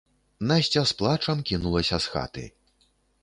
Насця з плачам кінулася з хаты.